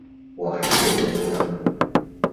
我还是不知道